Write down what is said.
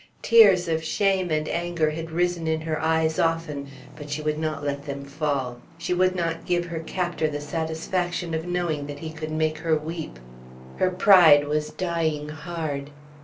Tears of shame and anger had risen in her eyes often, but she would not let them fall. She would not give her captor the satisfaction of knowing that he could make her weep. Her pride was dying hard.